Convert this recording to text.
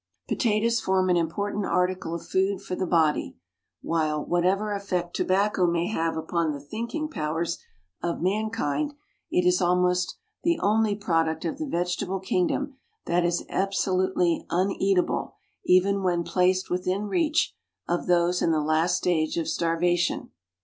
Potatoes form an important article of food for the body, while, whatever effect tobacco may have upon the thinking powers of mankind, it is almost the only product of the vegetable kingdom that is absolutely uneatable even when placed within the reach of those in the last stage of starvation.